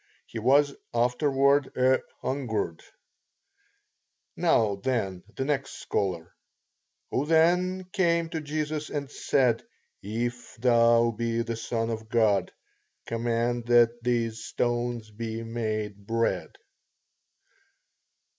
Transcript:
He was afterward "a hungered." Now, then, the next scholar. Who then came to Jesus and said, If thou be the Son of God, command that these stones be made bread?